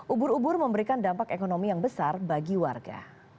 ubur ubur memberikan dampak ekonomi yang besar bagi warga